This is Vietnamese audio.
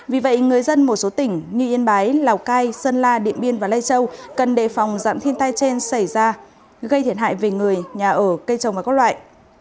vì vậy người dân một số tỉnh như yên bái lào cai sơn la điện biên và lây châu cần đề phòng giảm thiên tai trên xảy ra gây thiệt hại về người nhà ở cây trồng và các loại